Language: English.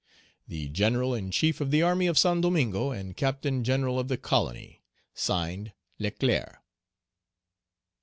"The General in chief of the army of Saint Domingo, and Captain General of the colony. (Signed) "LECLERC."